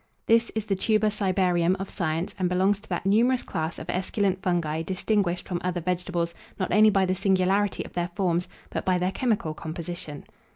This is the Tuber cibarium of science, and belongs to that numerous class of esculent fungi distinguished from other vegetables not only by the singularity of their forms, but by their chemical composition.